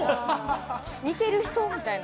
似ている人みたいな。